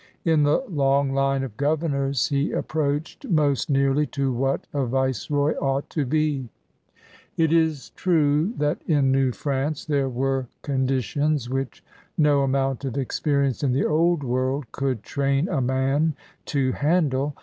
In the long line of governors he approached most nearly to what a Viceroy ought to be. It is true that in New France there were con ditions which no amount of experience in the Old World could train a man to handle.